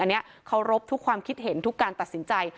อันนี้เคารพทุกความคิดเห็นทุกการตัดสินใจ